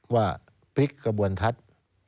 ว่าพลิกกระบวนทัศน์